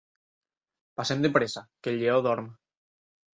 Passem de pressa, que el lleó dorm.